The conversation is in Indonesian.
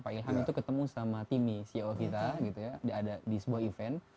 pak ilham itu ketemu sama timmy ceo kita gitu ya di sebuah event